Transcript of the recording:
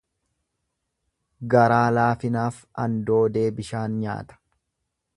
Garaa laafinaaf andoodee bishaan nyaata.